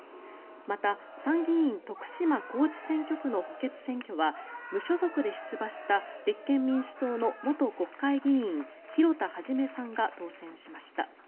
また、参議院徳島・高知選挙区の補欠選挙は無所属で出馬した立憲民主党の元国会議員広田一さんが当選しました。